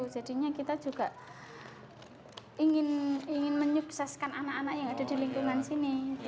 jadinya kita juga ingin menyukseskan anak anak yang ada di lingkungan sini